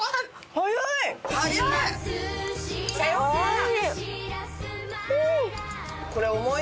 早い！